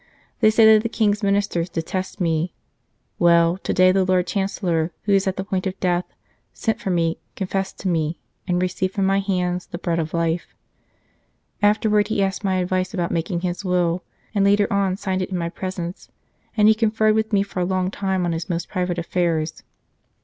They say that the King s Ministers detest me. Well, to day the JLord Chancellor, who is at the point of death, sent for me, confessed to me, and received from St. Charles Borromeo my hands the Bread of Life. Afterwards he asked my advice about making his will, and later on signed it in my presence, and he conferred with me for a long time on his most private affairs."